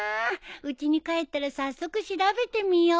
うちに帰ったら早速調べてみよう。